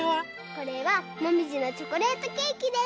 これはもみじのチョコレートケーキです。